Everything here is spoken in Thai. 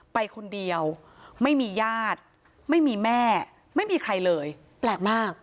ไปคนเดียวไม่มีญาติไม่มีแม่ไม่มีใครเลยแปลกมาก